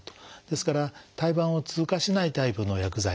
ですから胎盤を通過しないタイプの薬剤。